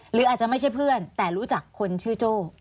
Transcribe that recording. หรืออาจจะไม่ใช่เพื่อนแต่รู้จักคนชื่อโจ้